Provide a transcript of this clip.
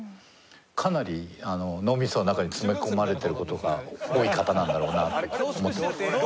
かなり脳みその中に詰め込まれてる事が多い方なんだろうなと思ってます。